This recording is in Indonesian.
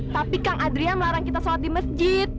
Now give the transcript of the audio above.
tapi kang adria melarang kita sholat di masjid